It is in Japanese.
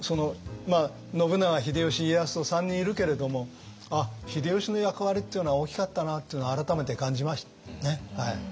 信長秀吉家康と３人いるけれどもああ秀吉の役割っていうのは大きかったなっていうのを改めて感じましたね。